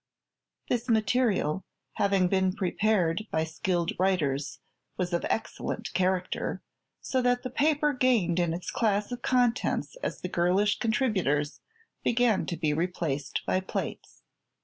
This material, having been prepared by skilled writers, was of excellent character, so that the paper gained in its class of contents as the girlish contributions began to be replaced by "plates."